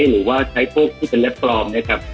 หรือว่าใช้พวกที่เป็นเล็บปลอมนะครับ